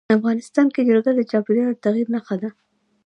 افغانستان کې جلګه د چاپېریال د تغیر نښه ده.